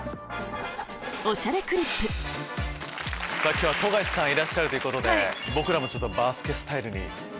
今日は富樫さんいらっしゃるということで僕らもバスケスタイルに。